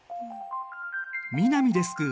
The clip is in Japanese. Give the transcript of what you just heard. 南デスク